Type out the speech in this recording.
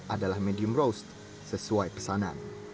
adalah medium rose sesuai pesanan